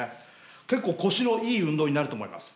結構腰のいい運動になると思います。